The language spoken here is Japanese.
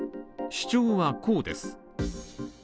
主張は、こうです。